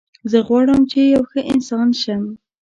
زه غواړم چې یو ښه انسان شم